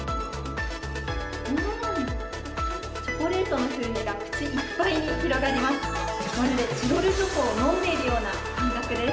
うーん、チョコレートの風味が口いっぱいに広がります。